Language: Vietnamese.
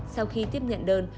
sau khi tiếp nhận đơn